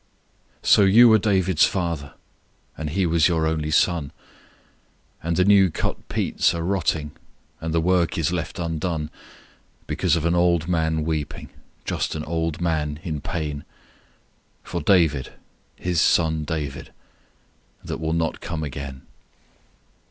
lO you were David's father, And he was your only son, And the new cut peats are rotting And the work is left undone. Because of an old man weeping, Just an old man in pain. For David, his son David, That will not come again.